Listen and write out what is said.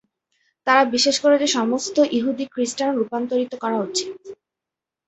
তারা বিশ্বাস করে যে সমস্ত ইহুদি খ্রিস্টান রূপান্তরিত করা উচিত।